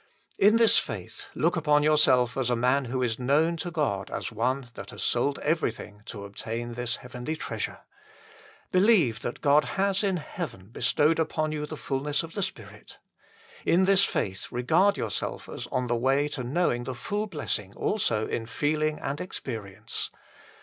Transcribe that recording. In this faith look upon yourself as a man who is known to God as one that has sold everything to obtain this heavenly treasure. Believe that God has in heaven bestowed upon you the fulness of the Spirit. In this faith regard yourself as on the way to know the full blessing also in feeling and experience.